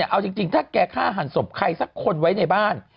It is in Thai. เอาจริงถ้าแกฆ่าหันศพใครสักคนไว้ในบ้าน